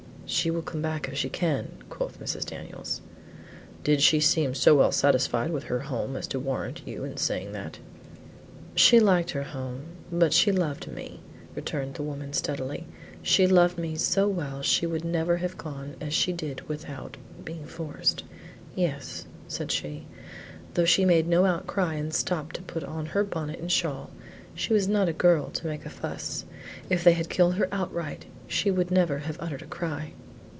"She will come back if she can," quoth Mrs. Daniels. "Did she seem so well satisfied with her home as to warrant you in saying that?" "She liked her home, but she loved me," returned the woman steadily. "She loved me so well she would never have gone as she did without being forced. Yes," said she, "though she made no outcry and stopped to put on her bonnet and shawl. She was not a girl to make a fuss. If they had killed her outright, she would never have uttered a cry."